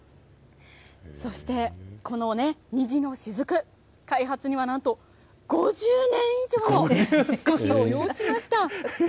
そしてこのね、虹の雫開発には何と５０年以上もの月日を要しました。